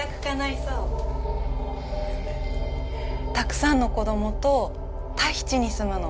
たくさんの子どもとタヒチに住むの。